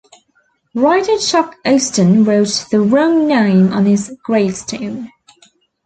Writer Chuck Austen wrote the wrong name on his gravestone.